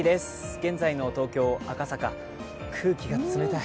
現在の東京・赤坂、空気が冷たい。